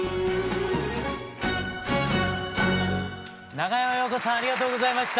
長山洋子さんありがとうございました。